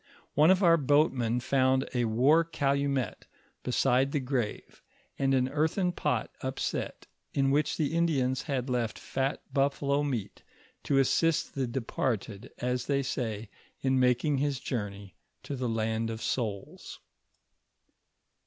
One of our boatmen found a war calumet beside the grave, and an earthen pot upset, in which the Indians had left fat buflalo meat, to assist the departed, as they say, hr making his jour ney to the land of souls.